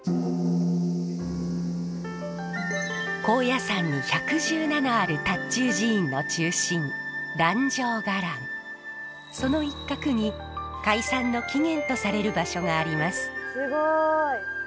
高野山に１１７ある塔頭寺院の中心その一角に開山の起源とされる場所があります。